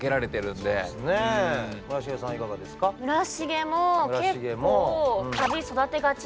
村重も結構育てがち！？